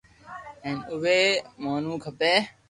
ھين اووي مونوي کپي